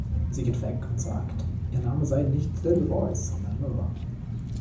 Sie geht weg und sagt, ihr Name sei nicht Little Voice, sondern Laura.